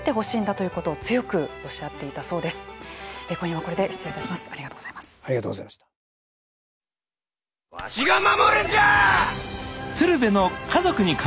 わしが守るんじゃ！